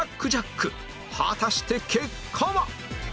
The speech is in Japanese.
果たして結果は？